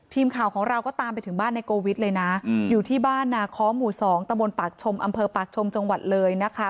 ทีมข่าวของเราก็ตามไปถึงบ้านในโกวิทเลยนะอยู่ที่บ้านนาค้อหมู่๒ตะบนปากชมอำเภอปากชมจังหวัดเลยนะคะ